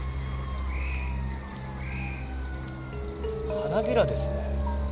花びらですね。